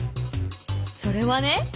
それはね